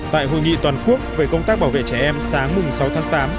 tại hội nghị toàn quốc về công tác bảo vệ trẻ em sáng mùng sáu tháng tám